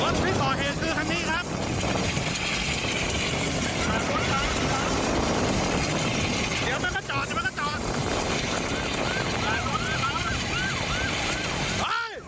ที่ก่อเหตุคือคันนี้ครับ